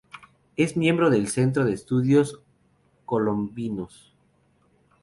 Es miembro del Centro de Estudios Colombinos.